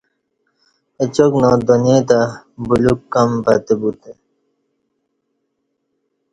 اچاک نادانی تہ بلیوک کم پتہ بوتہ